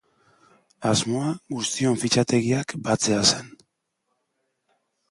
Asmoa guztion fitxategiak batzea zen.